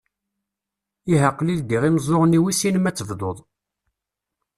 Ihi aql-i ldiɣ imeẓẓuɣen-iw i sin ma ad tebduḍ.